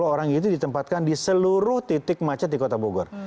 sepuluh orang itu ditempatkan di seluruh titik macet di kota bogor